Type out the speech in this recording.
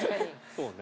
そうね。